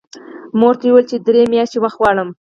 مور ته یې وویل چې درې میاشتې وخت غواړم